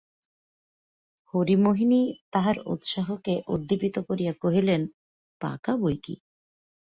হরিমোহিনী তাহার উৎসাহকে উদ্দীপিত করিয়া কহিলেন, পাকা বৈকি!